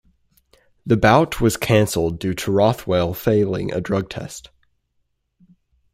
The bout was canceled due to Rothwell failing a drug test.